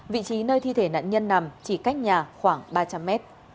vị trí nơi thi thể nạn nhân nằm chỉ cách nhà khoảng ba trăm linh mét